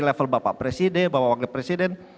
level bapak presiden bapak wakil presiden